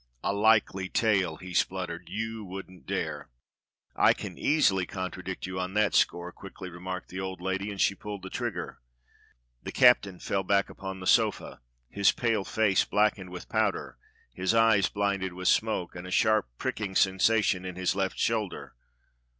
" A likely tale !" he spluttered. " You wouldn't dare !" "I can easily contradict you on that score," quickly remarked the old lady, and she pulled the trigger. The captain fell back upon the sofa, his pale face blackened with powder, his eyes blinded with smoke, and a sharp, pricking sensation in his left shoulder.